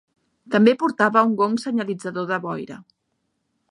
També portava un gong senyalitzador de boira.